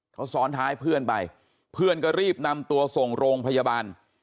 เขาซ้อนท้ายเพื่อนไปเพื่อนก็รีบนำตัวส่งโรงพยาบาล